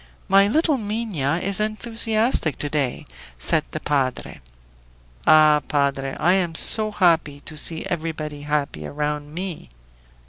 "My little Minha is enthusiastic to day," said the padre. "Ah, padre! I am so happy to see everybody happy around me!"